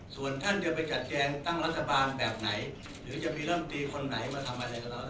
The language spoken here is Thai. ส่วนท่านจะไปจัดแจงตั้งรัฐบาลแบบไหนหรือจะมีร่ำตีคนไหนมาทำอะไรก็แล้ว